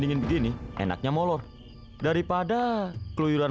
orang orang semua rindu buat